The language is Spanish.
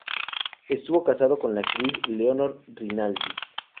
Estuvo casado con la actriz Leonor Rinaldi.